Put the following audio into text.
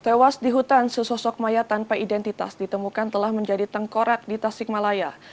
tewas di hutan sesosok mayat tanpa identitas ditemukan telah menjadi tengkorak di tasikmalaya